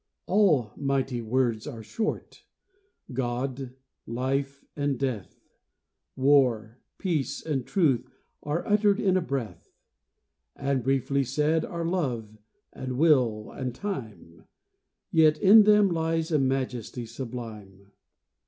All mighty words are short: God, life, and death, War, peace, and truth, are uttered in a breath. And briefly said are love, and will, and time; Yet in them lies a majesty sublime.